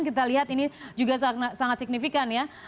kita lihat ini juga sangat signifikan ya